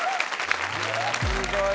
すごい。